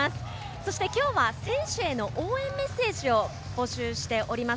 そしてきょうは選手への応援メッセージを募集しています。